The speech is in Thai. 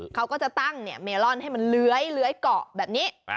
เขาก็จะตั้งเมลอนให้มันเลื้อยเกาะแบบนี้